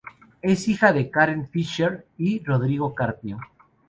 Es hija de Karen Fischer y Rodrigo Carpio.